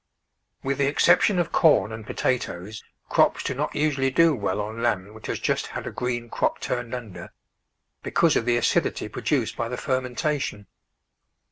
With the exception of corn and potatoes, crops do not usually do well on land which has just had a green crop turned under, because of the acidity produced by the fermentation.